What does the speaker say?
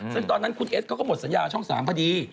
ซึ่งตอนนั้นคุณเอสเขาก็หมดสัญญาช่อง๓พอดี